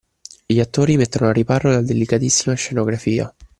Gli attori mettono al riparo la delicatissima scenografia.